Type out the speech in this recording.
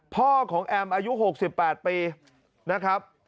พ่อของแอมอายุ๖๘ปีนะครับ